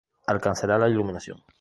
Alcanzará la iluminación".